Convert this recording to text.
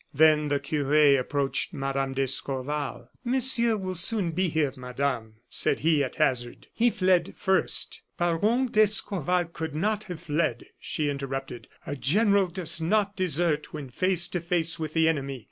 Then the cure approached Mme. d'Escorval. "Monsieur will soon be here, Madame," said he, at hazard; "he fled first " "Baron d'Escorval could not have fled," she interrupted. "A general does not desert when face to face with the enemy.